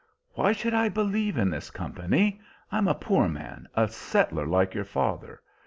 Why should I believe in this company? I'm a poor man, a settler like your father.